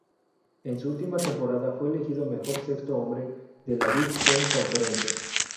En su última temporada fue elegido mejor sexto hombre de la Big Ten Conference.